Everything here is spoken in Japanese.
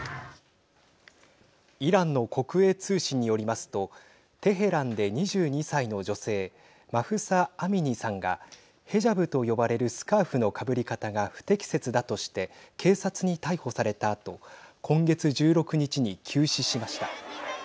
イランの国営通信によりますとテヘランで２２歳の女性マフサ・アミニさんがヘジャブと呼ばれるスカーフのかぶり方が不適切だとして警察に逮捕されたあと今月１６日に急死しました。